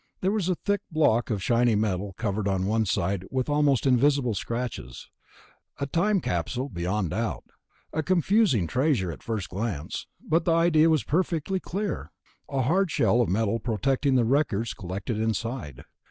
There was a thick block of shiny metal covered on one side with almost invisible scratches.... A time capsule, beyond doubt. A confusing treasure, at first glance, but the idea was perfectly clear. A hard shell of metal protecting the records collected inside....